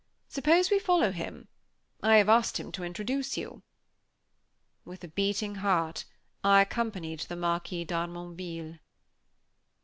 Suppose we follow him. I have asked him to introduce you." With a beating heart, I accompanied the Marquis d'Harmonville.